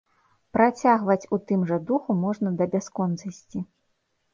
Працягваць у тым жа духу можна да бясконцасці.